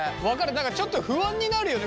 何かちょっと不安になるよね